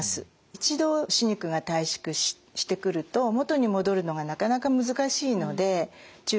一度歯肉が退縮してくると元に戻るのがなかなか難しいので注意が必要です。